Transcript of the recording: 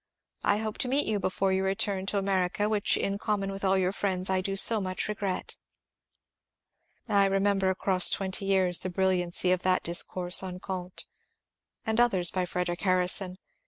I hope to meet you before your return to America, which in common with all your friends I so much regret. I remember across twenty years the brilliancy of that dis course on Comte, and others by Frederic Harrison.